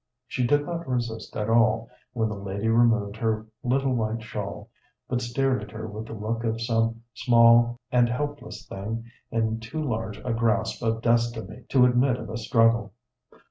She did not resist at all when the lady removed her little white shawl, but stared at her with the look of some small and helpless thing in too large a grasp of destiny to admit of a struggle.